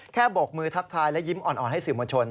บกมือทักทายและยิ้มอ่อนให้สื่อมวลชน